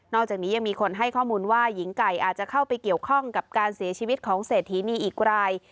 อกจากนี้ยังมีคนให้ข้อมูลว่าหญิงไก่อาจจะเข้าไปเกี่ยวข้องกับการเสียชีวิตของเศรษฐีนีอีกราย